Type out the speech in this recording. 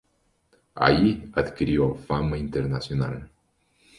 Allí adquirió fama internacional.